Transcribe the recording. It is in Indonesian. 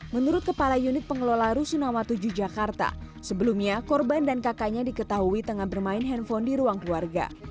menurut kepala unit pengelola rusunawa tujuh jakarta sebelumnya korban dan kakaknya diketahui tengah bermain handphone di ruang keluarga